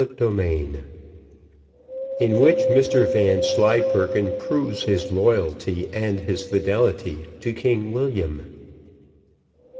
Chapter XLV In which Mr Vanslyperken proves his loyalty and his fidelity to King William.